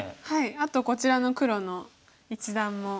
あとこちらの黒の一団も。